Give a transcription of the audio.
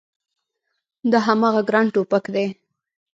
دا هماغه ګران ټوپګ دی